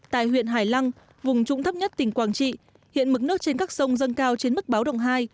tại huyện hải lăng vùng trũng thấp nhất tỉnh quảng trị hiện mực nước trên các sông dâng cao trên mức báo động hai